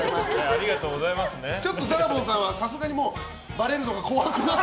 ちょっとザーボンさんはさすがにバレるのが怖くなって。